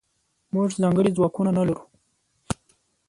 موږځنکړي ځواکونه نلرو